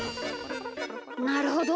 なるほど。